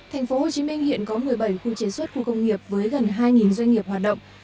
thành phố hồ chí minh hiện có một mươi bảy khu chế xuất khu công nghiệp với gần hai doanh nghiệp hoạt động